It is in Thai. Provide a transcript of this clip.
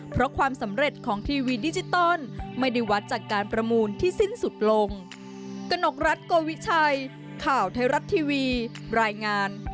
เพราะความสำเร็จของทีวีดิจิตอลไม่ได้วัดจากการประมูลที่สิ้นสุดลง